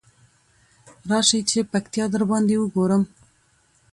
راشی چی پکتيا درباندې وګورم.